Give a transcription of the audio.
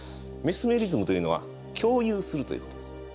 メスメリズムというのは共有するということです。